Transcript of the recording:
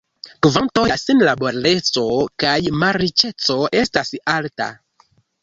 Kvanto de la senlaboreco kaj malriĉeco estas alta.